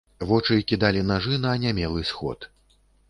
Вочы кідалі нажы на анямелы сход.